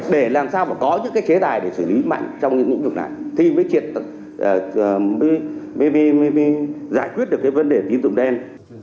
để làm sao mà có những cái chế tài để xử lý mạnh trong những vấn đề này thì mới giải quyết được cái vấn đề tín dụng đen